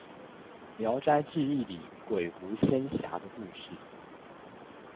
聊齋誌異裏鬼狐仙俠的故事